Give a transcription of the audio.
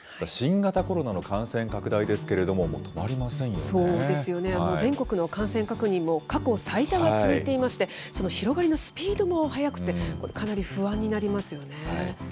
新型コロナの感染拡大ですけれどそうですよね、全国の感染確認も過去最多が続いていまして、その広がりのスピードも速くて、かなり不安になりますよね。